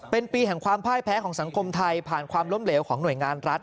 เป็นปีแห่งความพ่ายแพ้ของสังคมไทยผ่านความล้มเหลวของหน่วยงานรัฐ